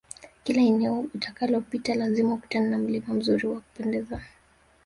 Kila eneo utakalopita lazima ukutane na mlima mzuri na wa kupendeza